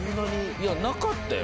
いや、なかったよ。